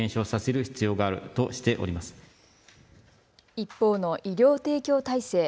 一方の医療提供体制。